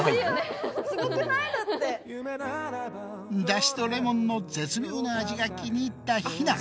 ダシとレモンの絶妙な味が気に入ったひな。